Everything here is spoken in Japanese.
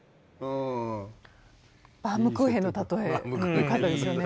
バウムクーヘンの例えよかったですよね。